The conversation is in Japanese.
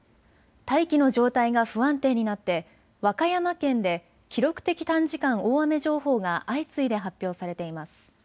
大気の状態が不安定になって和歌山県で記録的短時間大雨情報が相次いで発表されています。